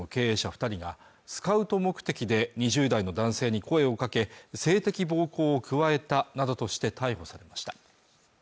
二人がスカウト目的で２０代の男性に声をかけ性的暴行を加えたなどとして逮捕されました